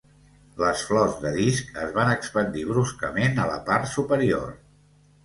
Les flors de disc es van expandir bruscament a la part superior.